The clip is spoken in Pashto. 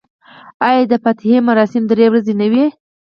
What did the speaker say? آیا د فاتحې مراسم درې ورځې نه وي؟